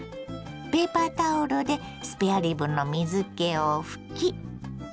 ペーパータオルでスペアリブの水けを拭き。